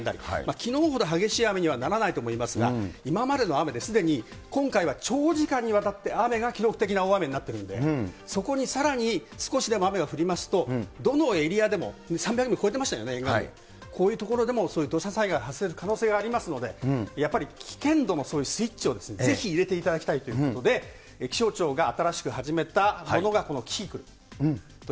きのうほど激しい雨にはならないと思いますが、今までの雨で、すでに今回は長時間にわたって雨が記録的な大雨になってるんで、そこにさらに少しでも雨が降りますと、どのエリアでも、３００ミリ超えてましたよね、今まで、こういう所でも土砂災害発生する可能性ありますので、やっぱり危険度のスイッチをぜひ入れていただきたいということで、気象庁が新しく始めたものがこのキキクル。